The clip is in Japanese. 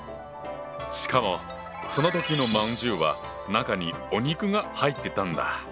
しかもその時の饅頭は中にお肉が入ってたんだ！